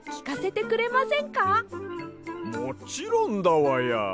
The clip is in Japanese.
もちろんだわや！